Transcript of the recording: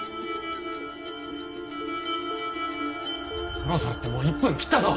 そろそろってもう１分切ったぞ！